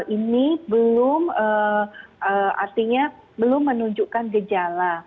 ini belum artinya belum menunjukkan gejala